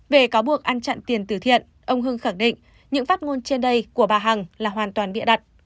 về cáo buộc ăn chặn tiền tử thiện ông hưng khẳng định những phát ngôn trên đây của bà hằng là hoàn toàn bịa đặt